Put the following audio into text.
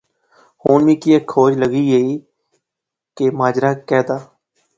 ہن میں کی ہیک کھوج جئی لغی گئی کہ ماجرا کہہ دا